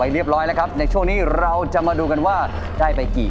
เรียบร้อยแล้วครับในช่วงนี้เราจะมาดูกันว่าได้ไปกี่